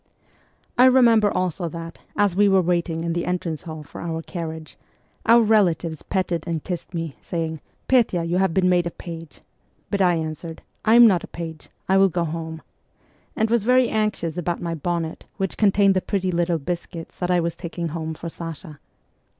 I remember also that, as we were waiting in the entrance hall for our carriage, our relatives petted and kissed me, saying, ' Petya, you have been made a page ;' but I answered, ' I am not a page ; I will go home,' and was very anxious about my bonnet which contained the pretty little biscuits that I was taking home for Sasha.